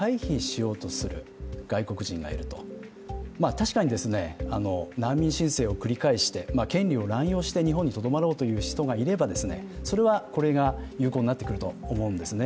確かに難民申請を繰り返して、権利を乱用して日本にとどまろうという人がいれば、それはこれが有効になってくるんだろうと思いますね。